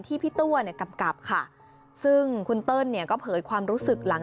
พี่ตัวเนี่ยกำกับค่ะซึ่งคุณเติ้ลเนี่ยก็เผยความรู้สึกหลัง